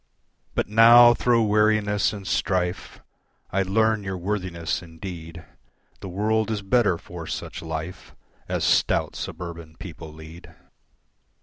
But now thro' weariness and strife I learn your worthiness indeed, The world is better for such life As stout suburban people lead.